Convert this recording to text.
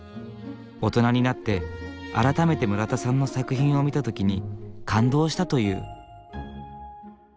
大人になって改めて村田さんの作品を見た時に感動したという。